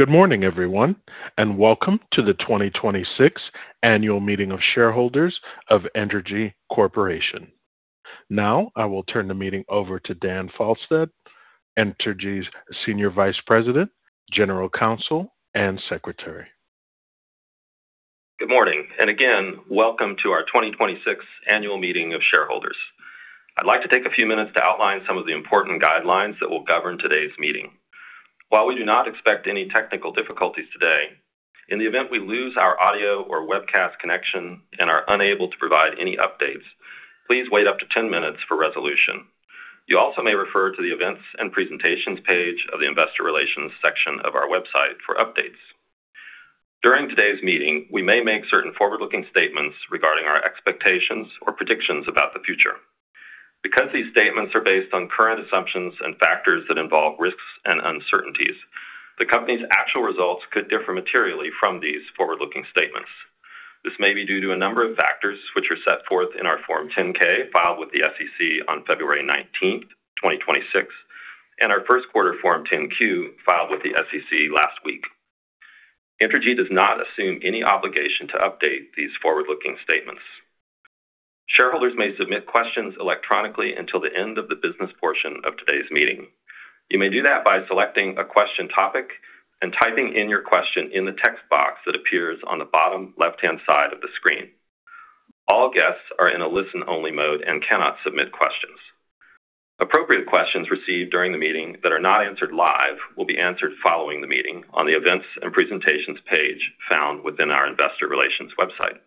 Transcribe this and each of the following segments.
Good morning, everyone, and welcome to the 2026 Annual Meeting of Shareholders of Entergy Corporation. Now, I will turn the meeting over to Dan Falstad, Entergy's Senior Vice President, General Counsel, and Secretary. Good morning, welcome to our 2026 Annual Meeting of Shareholders. I'd like to take a few minutes to outline some of the important guidelines that will govern today's meeting. While we do not expect any technical difficulties today, in the event we lose our audio or webcast connection and are unable to provide any updates, please wait up to 10 minutes for resolution. You also may refer to the Events and Presentations page of the Investor Relations section of our website for updates. During today's meeting, we may make certain forward-looking statements regarding our expectations or predictions about the future. Because these statements are based on current assumptions and factors that involve risks and uncertainties, the company's actual results could differ materially from these forward-looking statements. This may be due to a number of factors, which are set forth in our Form 10-K filed with the SEC on February 19th, 2026, and our first quarter Form 10-Q filed with the SEC last week. Entergy does not assume any obligation to update these forward-looking statements. Shareholders may submit questions electronically until the end of the business portion of today's meeting. You may do that by selecting a question topic and typing in your question in the text box that appears on the bottom left-hand side of the screen. All guests are in a listen-only mode and cannot submit questions. Appropriate questions received during the meeting that are not answered live will be answered following the meeting on the Events and Presentations page found within our Investor Relations website.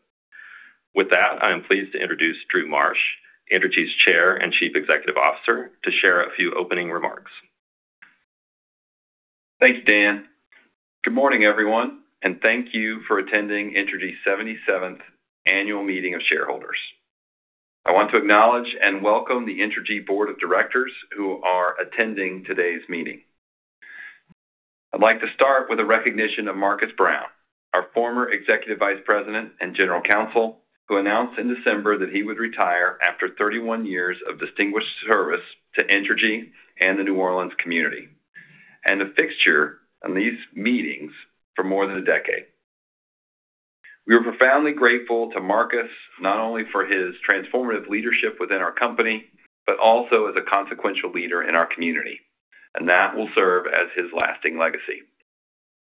With that, I am pleased to introduce Drew Marsh, Entergy's Chair and Chief Executive Officer, to share a few opening remarks. Thanks, Dan. Good morning, everyone, and thank you for attending Entergy 77th Annual Meeting of Shareholders. I want to acknowledge and welcome the Entergy Board of Directors who are attending today's meeting. I'd like to start with a recognition of Marcus Brown, our former Executive Vice President and General Counsel, who announced in December that he would retire after 31 years of distinguished service to Entergy and the New Orleans community, and a fixture on these meetings for more than one decade. We are profoundly grateful to Marcus not only for his transformative leadership within our company, but also as a consequential leader in our community, and that will serve as his lasting legacy.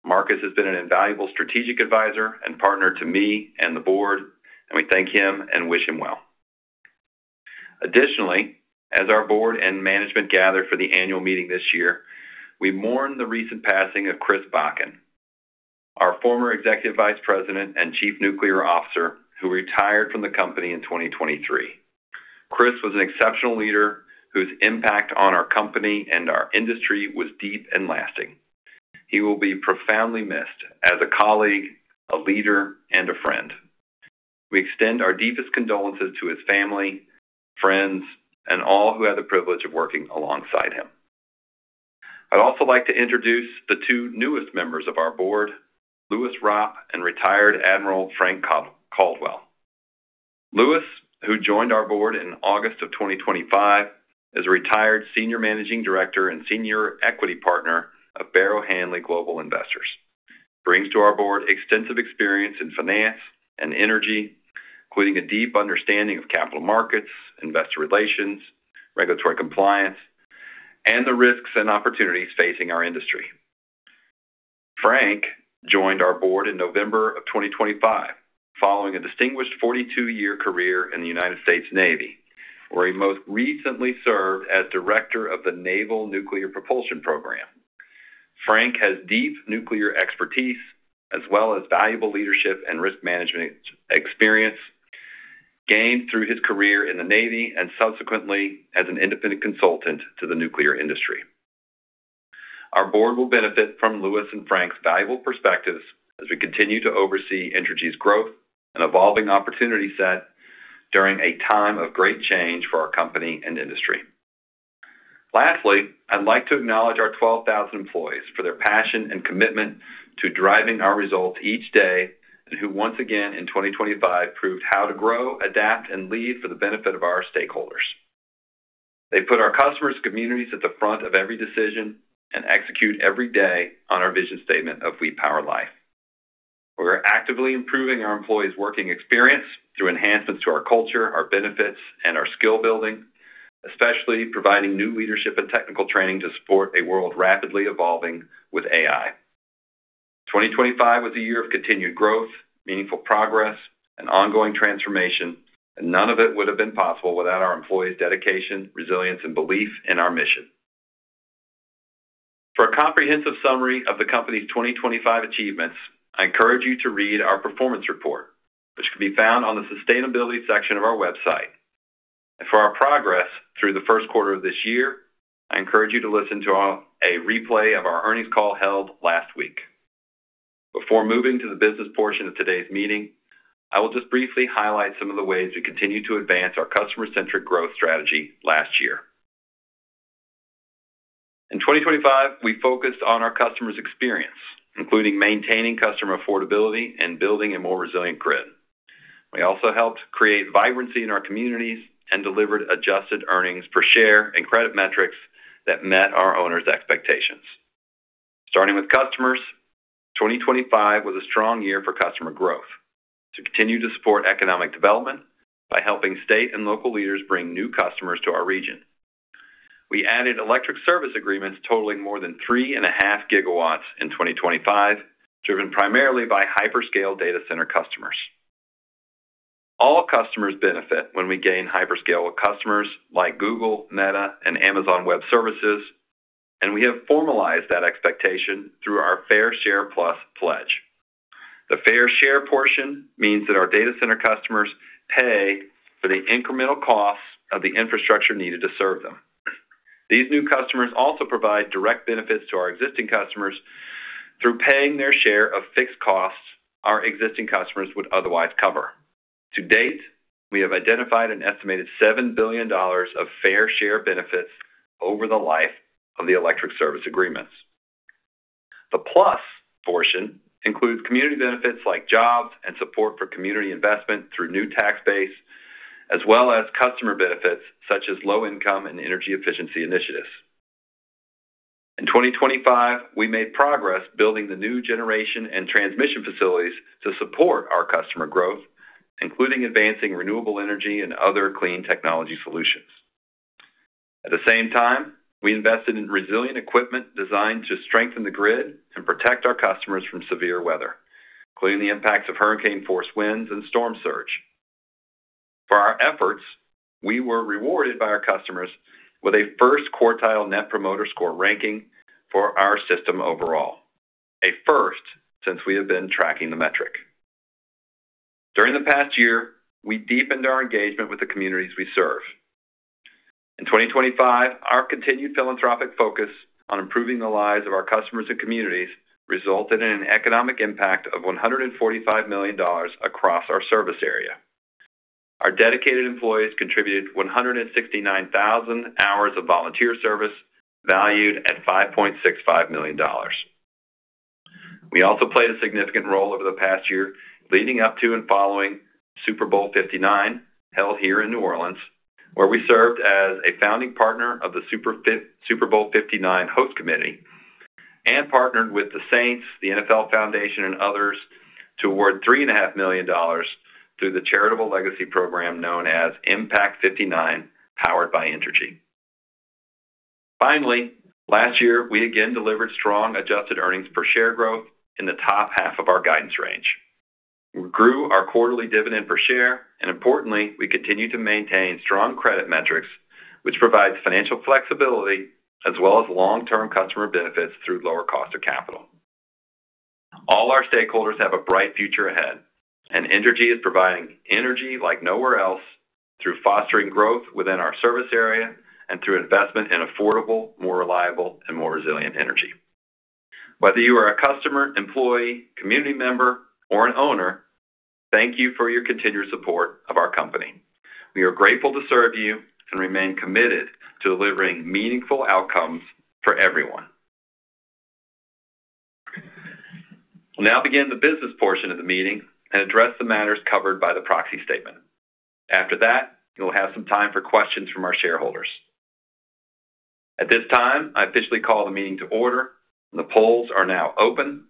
Marcus has been an invaluable strategic advisor and partner to me and the board, and we thank him and wish him well. Additionally, as our board and management gather for the annual meeting this year, we mourn the recent passing of Chris Bakken, our former Executive Vice President and Chief Nuclear Officer, who retired from the company in 2023. Chris was an exceptional leader whose impact on our company and our industry was deep and lasting. He will be profoundly missed as a colleague, a leader, and a friend. We extend our deepest condolences to his family, friends, and all who had the privilege of working alongside him. I'd also like to introduce the two newest members of our board, Lewis Ropp and Retired Admiral Frank Caldwell. Lewis, who joined our board in August of 2025, is a retired Senior Managing Director and Senior Equity Partner of Barrow Hanley Global Investors, brings to our board extensive experience in finance and energy, including a deep understanding of capital markets, investor relations, regulatory compliance, and the risks and opportunities facing our industry. Frank joined our board in November of 2025 following a distinguished 42-year career in the United States Navy, where he most recently served as Director of the Naval Nuclear Propulsion Program. Frank has deep nuclear expertise as well as valuable leadership and risk management experience gained through his career in the Navy and subsequently as an independent consultant to the nuclear industry. Our board will benefit from Lewis and Frank's valuable perspectives as we continue to oversee Entergy's growth and evolving opportunity set during a time of great change for our company and industry. Lastly, I'd like to acknowledge our 12,000 employees for their passion and commitment to driving our results each day and who once again in 2025 proved how to grow, adapt, and lead for the benefit of our stakeholders. They put our customers' communities at the front of every decision and execute every day on our vision statement of We Power Life. We're actively improving our employees' working experience through enhancements to our culture, our benefits, and our skill building, especially providing new leadership and technical training to support a world rapidly evolving with AI. 2025 was a year of continued growth, meaningful progress, and ongoing transformation. None of it would have been possible without our employees' dedication, resilience, and belief in our mission. For a comprehensive summary of the company's 2025 achievements, I encourage you to read our performance report, which can be found on the sustainability section of our website. For our progress through the first quarter of this year, I encourage you to listen to a replay of our earnings call held last week. Before moving to the business portion of today's meeting, I will just briefly highlight some of the ways we continued to advance our customer-centric growth strategy last year. In 2025, we focused on our customers' experience, including maintaining customer affordability and building a more resilient grid. We also helped create vibrancy in our communities and delivered adjusted earnings per share and credit metrics that met our owners' expectations. Starting with customers, 2025 was a strong year for customer growth to continue to support economic development by helping state and local leaders bring new customers to our region. We added electric service agreements totaling more than3.5 GW in 2025, driven primarily by hyperscale data center customers. All customers benefit when we gain hyperscale with customers like Google, Meta, and Amazon Web Services, and we have formalized that expectation through our Fair Share Plus pledge. The fair share portion means that our data center customers pay for the incremental costs of the infrastructure needed to serve them. These new customers also provide direct benefits to our existing customers through paying their share of fixed costs our existing customers would otherwise cover. To date, we have identified an estimated $7 billion of fair share benefits over the life of the electric service agreements. The plus portion includes community benefits like jobs and support for community investment through new tax base, as well as customer benefits such as low income and energy efficiency initiatives. In 2025, we made progress building the new generation and transmission facilities to support our customer growth, including advancing renewable energy and other clean technology solutions. At the same time, we invested in resilient equipment designed to strengthen the grid and protect our customers from severe weather, including the impacts of hurricane force winds and storm surge. For our efforts, we were rewarded by our customers with a first quartile Net Promoter Score ranking for our system overall. A first since we have been tracking the metric. During the past year, we deepened our engagement with the communities we serve. In 2025, our continued philanthropic focus on improving the lives of our customers and communities resulted in an economic impact of $145 million across our service area. Our dedicated employees contributed 169,000 hours of volunteer service valued at $5.65 million. We also played a significant role over the past year leading up to and following Super Bowl LIX, held here in New Orleans, where we served as a founding partner of the Super Bowl LIX Host Committee and partnered with the Saints, the NFL Foundation, and others to award $3.5 million through the charitable legacy program known as Impact 59, powered by Entergy. Finally, last year, we again delivered strong adjusted earnings per share growth in the top half of our guidance range. We grew our quarterly dividend per share, and importantly, we continue to maintain strong credit metrics, which provides financial flexibility as well as long-term customer benefits through lower cost of capital. All our stakeholders have a bright future ahead, and Entergy is providing energy like nowhere else through fostering growth within our service area and through investment in affordable, more reliable, and more resilient energy. Whether you are a customer, employee, community member, or an owner, thank you for your continued support of our company. We are grateful to serve you and remain committed to delivering meaningful outcomes for everyone. We'll now begin the business portion of the meeting and address the matters covered by the proxy statement. After that, we'll have some time for questions from our shareholders. At this time, I officially call the meeting to order. The polls are now open.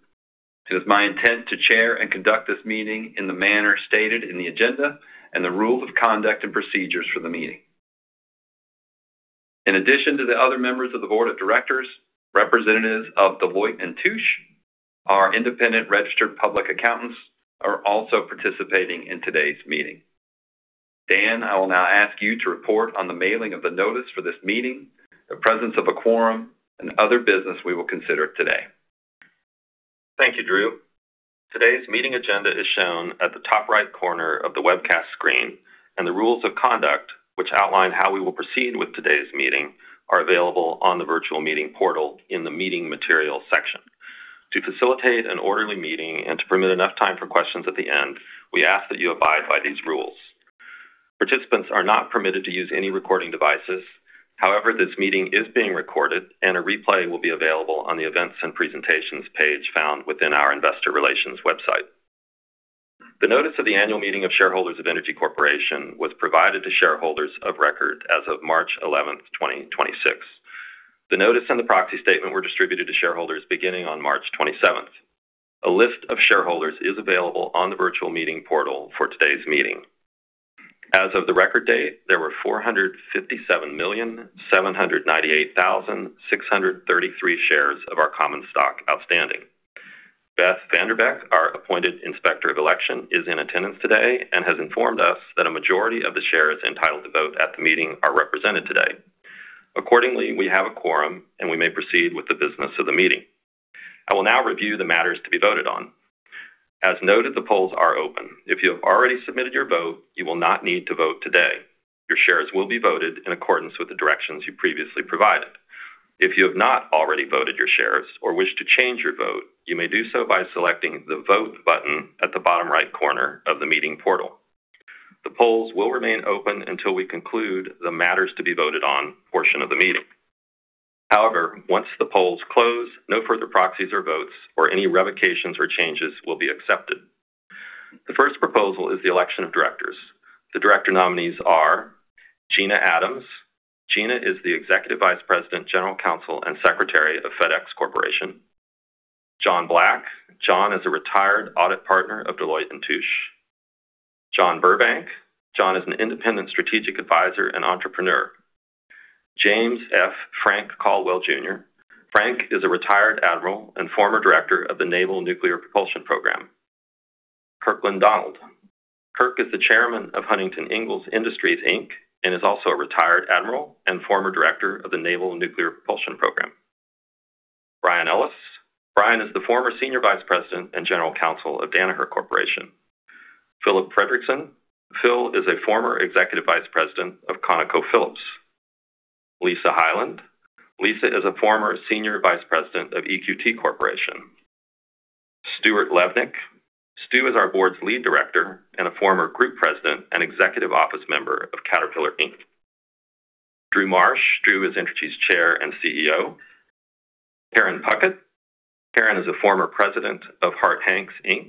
It is my intent to chair and conduct this meeting in the manner stated in the agenda and the rules of conduct and procedures for the meeting. In addition to the other members of the board of directors, representatives of Deloitte & Touche, our independent registered public accountants are also participating in today's meeting. Dan, I will now ask you to report on the mailing of the notice for this meeting, the presence of a quorum, and other business we will consider today. Thank you, Drew. Today's meeting agenda is shown at the top right corner of the webcast screen, and the rules of conduct, which outline how we will proceed with today's meeting, are available on the virtual meeting portal in the Meeting Materials section. To facilitate an orderly meeting and to permit enough time for questions at the end, we ask that you abide by these rules. Participants are not permitted to use any recording devices. However, this meeting is being recorded and a replay will be available on the Events and Presentations page found within our investor relations website. The notice of the annual meeting of shareholders of Entergy Corporation was provided to shareholders of record as of March 11, 2026. The notice and the proxy statement were distributed to shareholders beginning on March 27. A list of shareholders is available on the virtual meeting portal for today's meeting. As of the record date, there were 457,798,633 shares of our common stock outstanding. Beth VanDerbeck, our appointed Inspector of Election, is in attendance today and has informed us that a majority of the shares entitled to vote at the meeting are represented today. Accordingly, we have a quorum, and we may proceed with the business of the meeting. I will now review the matters to be voted on. As noted, the polls are open. If you have already submitted your vote, you will not need to vote today. Your shares will be voted in accordance with the directions you previously provided. If you have not already voted your shares or wish to change your vote, you may do so by selecting the Vote button at the bottom right corner of the meeting portal. The polls will remain open until we conclude the matters to be voted on portion of the meeting. However, once the polls close, no further proxies or votes or any revocations or changes will be accepted. The first proposal is the election of directors. The director nominees are Gina Adams. Gina is the Executive Vice President, General Counsel, and Secretary of FedEx Corporation. John Black. John is a retired Audit Partner of Deloitte & Touche. John Burbank. John is an independent strategic advisor and entrepreneur. James F. Caldwell Jr. Frank is a retired admiral and former Director of the Naval Nuclear Propulsion Program. Kirkland Donald. Kirk is the Chairman of Huntington Ingalls Industries, Inc., and is also a retired admiral and former Director of the Naval Nuclear Propulsion Program. Brian Ellis. Brian is the former Senior Vice President and General Counsel of Danaher Corporation. Philip Frederickson. Phil is a former Executive Vice President of ConocoPhillips. Lisa Hyland. Lisa is a former Senior Vice President of EQT Corporation. Stuart L. Levenick. Stu is our Board's Lead Director and a former Group President and Executive Office member of Caterpillar Inc. Drew Marsh. Drew is Entergy's Chair and CEO. Karen Puckett. Karen is a former President of Harte-Hanks Inc.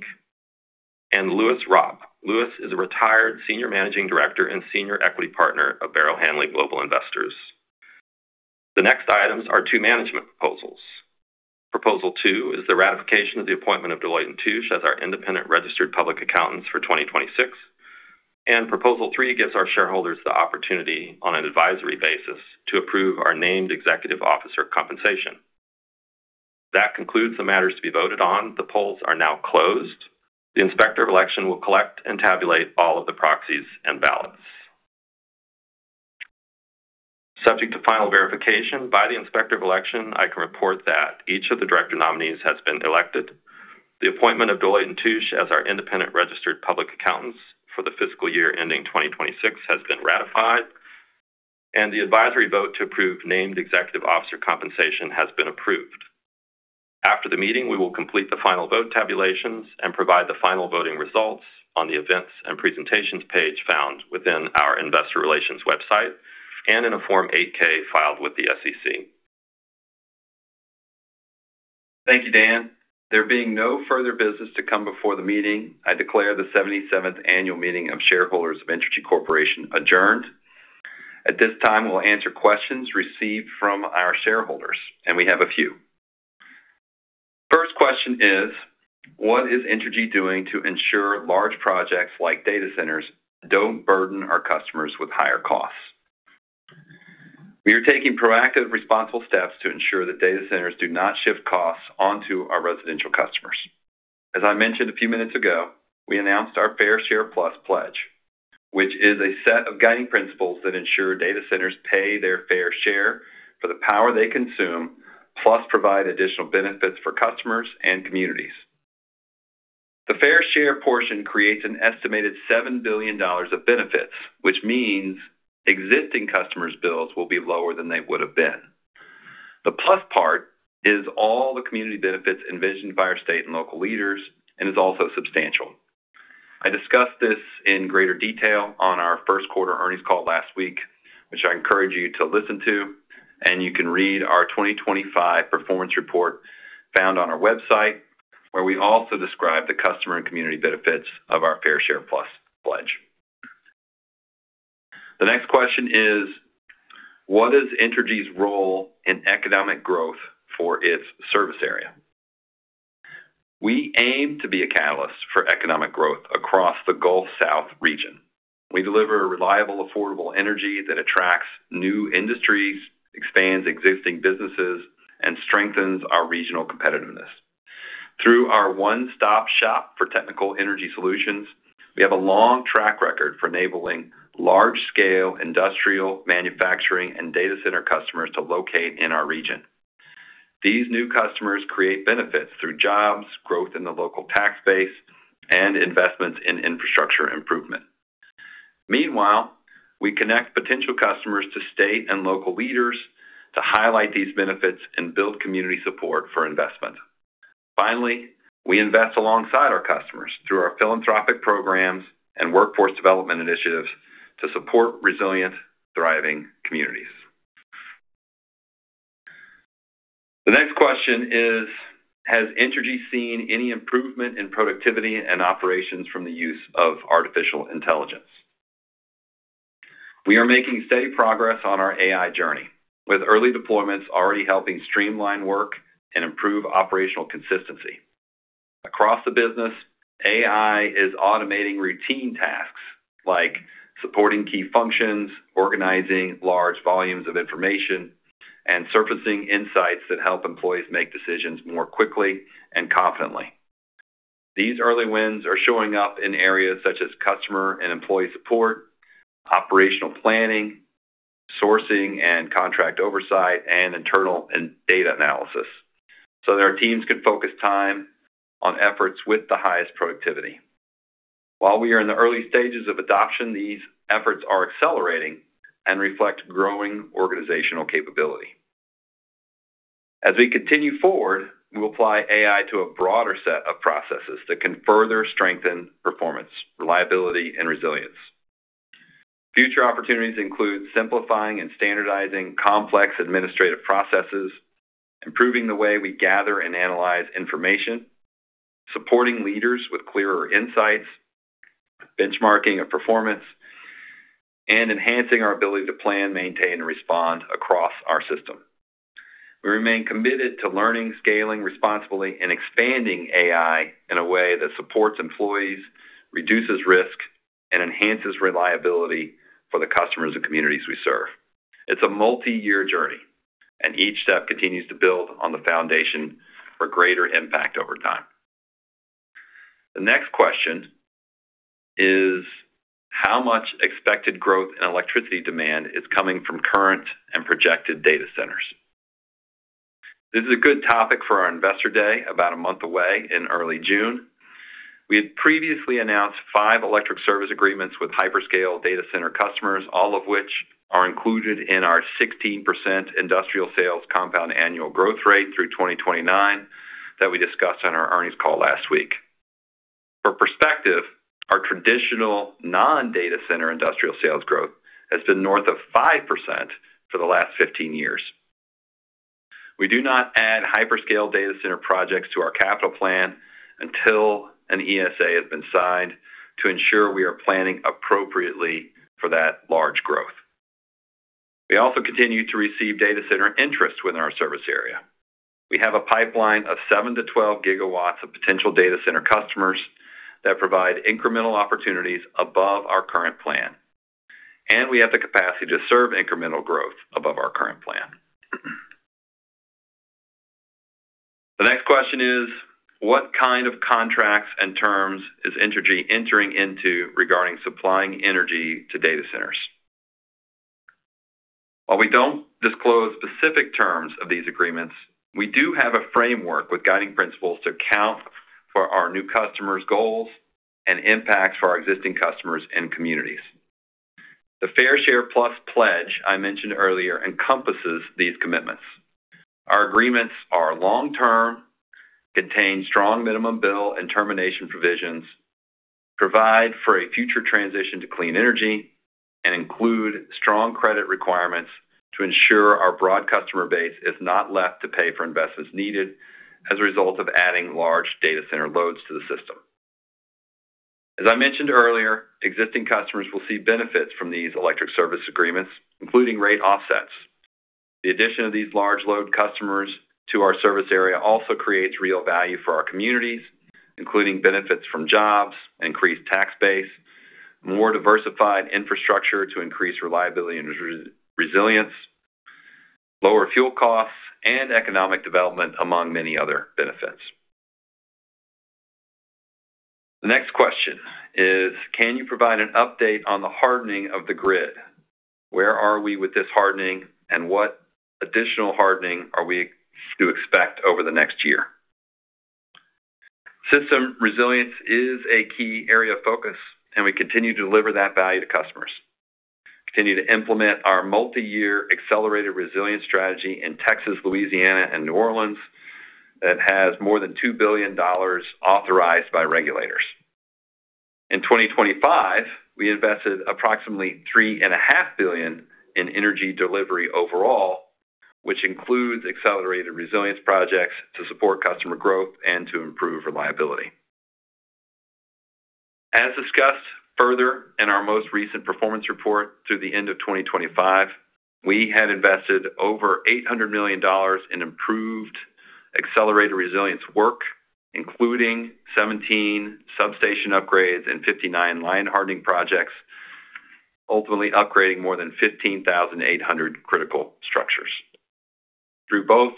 Lewis Rapp. Lewis is a retired Senior Managing Director and Senior Equity Partner of Barrow Hanley Global Investors. The next items are two management proposals. Proposal 2 is the ratification of the appointment of Deloitte & Touche as our independent registered public accountants for 2026, and Proposal 3 gives our shareholders the opportunity on an advisory basis to approve our named executive officer compensation. That concludes the matters to be voted on. The polls are now closed. The Inspector of Election will collect and tabulate all of the proxies and ballots. Subject to final verification by the Inspector of Election, I can report that each of the director nominees has been elected. The appointment of Deloitte & Touche as our independent registered public accountants for the fiscal year ending 2026 has been ratified, and the advisory vote to approve named executive officer compensation has been approved. After the meeting, we will complete the final vote tabulations and provide the final voting results on the Events and Presentations page found within our investor relations website and in a Form 8-K filed with the SEC. Thank you, Dan. There being no further business to come before the meeting, I declare the 77th annual meeting of shareholders of Entergy Corporation adjourned. At this time, we'll answer questions received from our shareholders, and we have a few. First question is: What is Entergy doing to ensure large projects like data centers don't burden our customers with higher costs? We are taking proactive, responsible steps to ensure that data centers do not shift costs onto our residential customers. As I mentioned a few minutes ago, we announced our Fair Share Plus pledge, which is a set of guiding principles that ensure data centers pay their fair share for the power they consume, plus provide additional benefits for customers and communities. The fair share portion creates an estimated $7 billion of benefits, which means existing customers' bills will be lower than they would have been. The plus part is all the community benefits envisioned by our state and local leaders and is also substantial. I discussed this in greater detail on our first quarter earnings call last week, which I encourage you to listen to, and you can read our 2025 performance report found on our website, where we also describe the customer and community benefits of our Fair Share Plus pledge. The next question is: What is Entergy's role in economic growth for its service area? We aim to be a catalyst for economic growth across the Gulf South region. We deliver reliable, affordable energy that attracts new industries, expands existing businesses, and strengthens our regional competitiveness. Through our one-stop shop for technical energy solutions, we have a long track record for enabling large-scale industrial, manufacturing, and data center customers to locate in our region. These new customers create benefits through jobs, growth in the local tax base, and investments in infrastructure improvement. Meanwhile, we connect potential customers to state and local leaders to highlight these benefits and build community support for investment. Finally, we invest alongside our customers through our philanthropic programs and workforce development initiatives to support resilient, thriving communities. The next question is: Has Entergy seen any improvement in productivity and operations from the use of artificial intelligence? We are making steady progress on our AI journey, with early deployments already helping streamline work and improve operational consistency. Across the business, AI is automating routine tasks like supporting key functions, organizing large volumes of information, and surfacing insights that help employees make decisions more quickly and confidently. These early wins are showing up in areas such as customer and employee support, operational planning, sourcing and contract oversight, and internal and data analysis so that our teams can focus time on efforts with the highest productivity. While we are in the early stages of adoption, these efforts are accelerating and reflect growing organizational capability. As we continue forward, we'll apply AI to a broader set of processes that can further strengthen performance, reliability, and resilience. Future opportunities include simplifying and standardizing complex administrative processes, improving the way we gather and analyze information, supporting leaders with clearer insights, benchmarking of performance, and enhancing our ability to plan, maintain, and respond across our system. We remain committed to learning, scaling responsibly, and expanding AI in a way that supports employees, reduces risk, and enhances reliability for the customers and communities we serve. It's a multi-year journey, and each step continues to build on the foundation for greater impact over time. The next question is how much expected growth in electricity demand is coming from current and projected data centers? This is a good topic for our investor day about a month away in early June. We had previously announced five electric service agreements with hyperscale data center customers, all of which are included in our 16% industrial sales compound annual growth rate through 2029 that we discussed on our earnings call last week. For perspective, our traditional non-data center industrial sales growth has been north of 5% for the last 15 years. We do not add hyperscale data center projects to our capital plan until an ESA has been signed to ensure we are planning appropriately for that large growth. We also continue to receive data center interest within our service area. We have a pipeline of 7-12 GW of potential data center customers that provide incremental opportunities above our current plan, and we have the capacity to serve incremental growth above our current plan. The next question is what kind of contracts and terms is Entergy entering into regarding supplying energy to data centers? While we don't disclose specific terms of these agreements, we do have a framework with guiding principles to account for our new customers goals and impacts for our existing customers and communities. The Fair Share Plus pledge I mentioned earlier encompasses these commitments. Our agreements are long-term, contain strong minimum bill and termination provisions, provide for a future transition to clean energy, and include strong credit requirements to ensure our broad customer base is not left to pay for investments needed as a result of adding large data center loads to the system. As I mentioned earlier, existing customers will see benefits from these electric service agreements, including rate offsets. The addition of these large load customers to our service area also creates real value for our communities, including benefits from jobs, increased tax base, more diversified infrastructure to increase reliability and resilience, lower fuel costs, and economic development, among many other benefits. The next question is can you provide an update on the hardening of the grid? Where are we with this hardening, and what additional hardening are we to expect over the next year? System resilience is a key area of focus, and we continue to deliver that value to customers. Continue to implement our multi-year accelerated resilience strategy in Texas, Louisiana, and New Orleans that has more than $2 billion authorized by regulators. In 2025, we invested approximately $3.5 billion in energy delivery overall, which includes accelerated resilience projects to support customer growth and to improve reliability. As discussed further in our most recent performance report through the end of 2025, we had invested over $800 million in improved accelerated resilience work, including 17 substation upgrades and 59 line hardening projects, ultimately upgrading more than 15,800 critical structures. Through both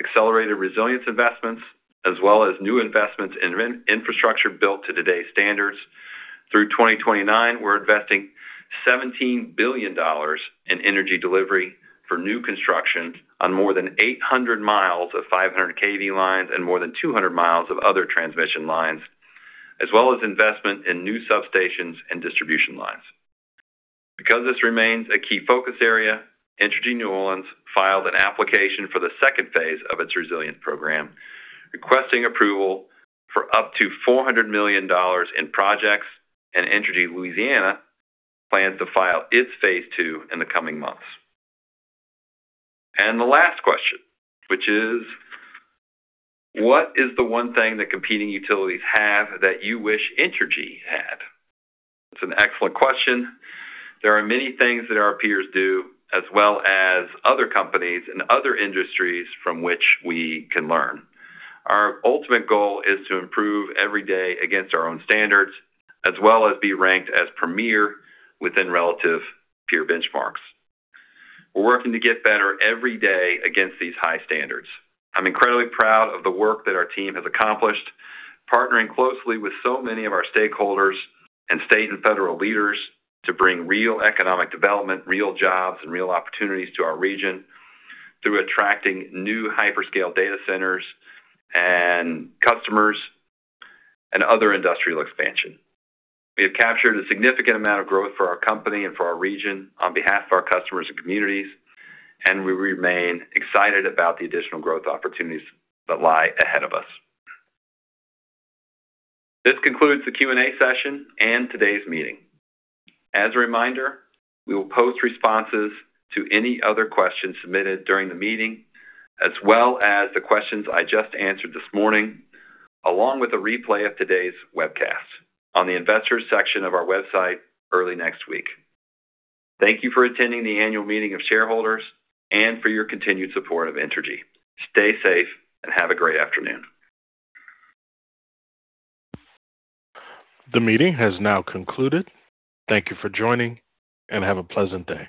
accelerated resilience investments as well as new investments in infrastructure built to today's standards, through 2029, we're investing $17 billion in energy delivery for new construction on more than 800 miles of 500 kV lines and more than 200 miles of other transmission lines, as well as investment in new substations and distribution lines. Because this remains a key focus area, Entergy New Orleans filed an application for the second phase of its resilience program, requesting approval for up to $400 million in projects. Entergy Louisiana plans to file its phase two in the coming months. The last question, which is what is the one thing that competing utilities have that you wish Entergy had? It's an excellent question. There are many things that our peers do as well as other companies in other industries from which we can learn. Our ultimate goal is to improve every day against our own standards, as well as be ranked as premier within relative peer benchmarks. We're working to get better every day against these high standards. I'm incredibly proud of the work that our team has accomplished, partnering closely with so many of our stakeholders and state and federal leaders to bring real economic development, real jobs, and real opportunities to our region through attracting new hyperscale data centers and customers and other industrial expansion. We have captured a significant amount of growth for our company and for our region on behalf of our customers and communities, and we remain excited about the additional growth opportunities that lie ahead of us. This concludes the Q&A session and today's meeting. As a reminder, we will post responses to any other questions submitted during the meeting, as well as the questions I just answered this morning, along with a replay of today's webcast on the investors section of our website early next week. Thank you for attending the annual meeting of shareholders and for your continued support of Entergy. Stay safe and have a great afternoon. The meeting has now concluded. Thank you for joining, and have a pleasant day.